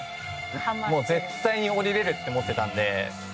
絶対に降りれるって思ってたので。